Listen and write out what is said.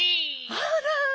あら。